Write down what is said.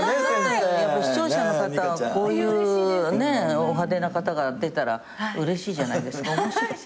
視聴者の方はこういうお派手な方が出たらうれしいじゃないですか。